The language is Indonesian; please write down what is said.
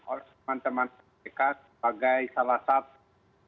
oleh teman teman kpk sebagai salah satu